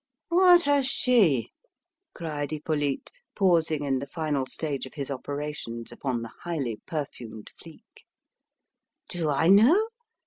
"What has she?" cried Hippolyte, pausing in the final stage of his operations upon the highly perfumed Flique. "Do I know?"